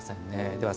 では